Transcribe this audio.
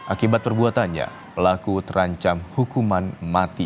akibat perbuatannya pelaku terancam hukuman mati